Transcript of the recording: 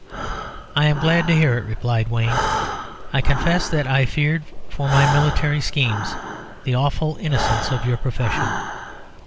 "I am glad to hear it," replied Wayne. "I confess that I feared for my military schemes the awful innocence of your profession.